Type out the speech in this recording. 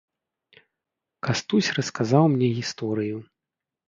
Кастусь расказаў мне гісторыю.